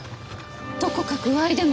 どこか具合でも！？